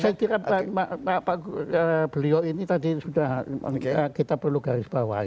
saya kira pak beliau ini tadi sudah kita perlu garis bawahi